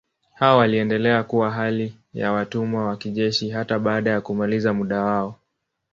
Hao waliendelea kuwa hali ya watumwa wa kijeshi hata baada ya kumaliza muda wao.